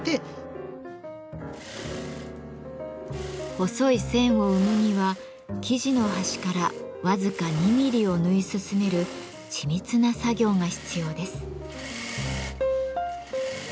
細い線を生むには生地の端から僅か２ミリを縫い進める緻密な作業が必要です。